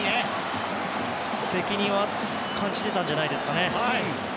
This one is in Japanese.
責任は感じてたんじゃないですかね。